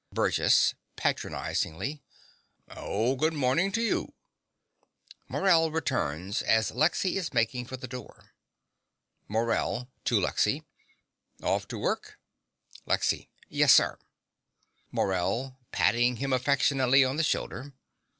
BURGESS (patronizingly). Oh, good morning to you. (Morell returns as Lexy is making for the door.) MORELL (to Lexy). Off to work? LEXY. Yes, sir. MORELL (patting him affectionately on the shoulder).